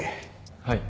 はい。